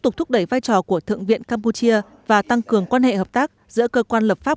tục thúc đẩy vai trò của thượng viện campuchia và tăng cường quan hệ hợp tác giữa cơ quan lập pháp